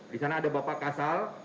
di sana ada bapak kasal